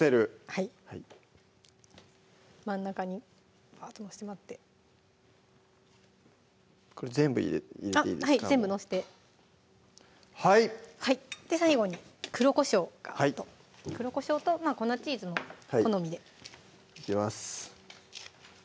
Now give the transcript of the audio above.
はい全部載せてはい最後に黒こしょうがっと黒こしょうと粉チーズも好みでいきます